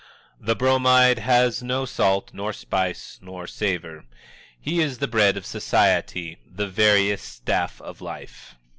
The Bromide has no salt nor spice nor savor but he is the bread of Society, the veriest staff of life.